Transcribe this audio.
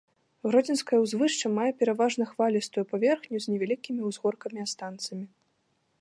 Гродзенскае ўзвышша мае пераважна хвалістую паверхню з невялікімі ўзгоркамі-астанцамі.